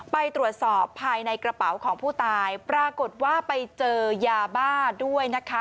ไปตรวจสอบภายในกระเป๋าของผู้ตายปรากฏว่าไปเจอยาบ้าด้วยนะคะ